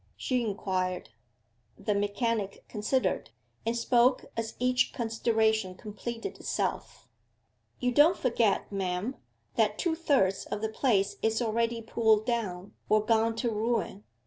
she inquired. The mechanic considered, and spoke as each consideration completed itself. 'You don't forget, ma'am, that two thirds of the place is already pulled down, or gone to ruin?